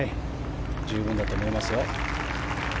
十分だと思いますよ。